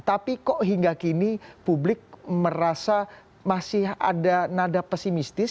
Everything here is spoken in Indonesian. tapi kok hingga kini publik merasa masih ada nada pesimistis